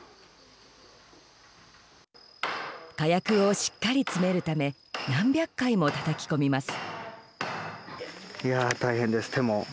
火薬をしっかり詰めるため何百回もたたき込みます。